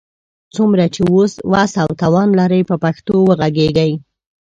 څومره چي وس او توان لرئ، په پښتو وږغېږئ!